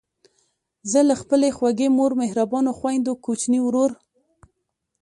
زه له خپلې خوږې مور، مهربانو خویندو، کوچني ورور،